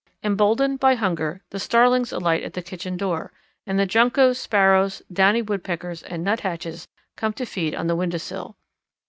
Emboldened by hunger, the Starlings alight at the kitchen door, and the Juncos, Sparrows, Downy Woodpeckers, and Nuthatches come to feed on the window sill.